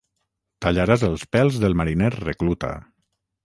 Tallaràs els pèls del mariner recluta.